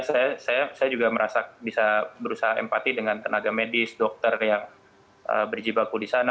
saya juga merasa bisa berusaha empati dengan tenaga medis dokter yang berjibaku di sana